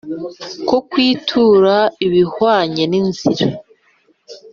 kukwitura ibihwanye n inzira